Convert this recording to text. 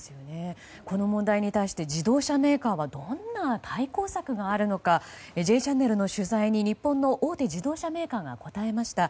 この問題に対して自動車メーカーはどんな対抗策があるのか「Ｊチャンネル」の取材に日本の大手自動車メーカーが答えました。